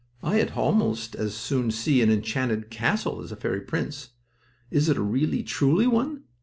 I had almost as soon see an enchanted castle as a fairy prince. Is it a really, truly one?"